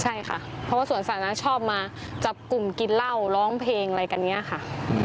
ใช่ค่ะเพราะว่าสวนสาธารณะชอบมาจับกลุ่มกินเหล้าร้องเพลงอะไรกันอย่างนี้ค่ะ